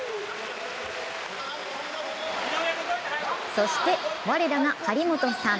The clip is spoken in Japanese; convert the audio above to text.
そして、我らが張本さん。